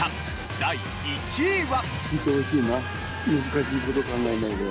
第１位は。